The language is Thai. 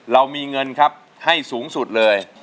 เรามีเงินครับให้สูงสุดเลย